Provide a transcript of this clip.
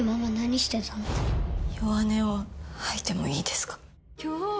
弱音を吐いてもいいですか。